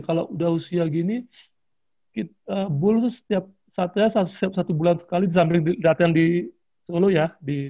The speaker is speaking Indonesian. kalau udah usia gini buls tuh setiap satu ya setiap satu bulan sekali disambil datang di solo ya